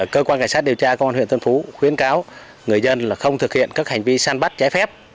cơ quan cảnh sát điều tra công an huyện tân phú khuyến cáo người dân là không thực hiện các hành vi săn bắt trái phép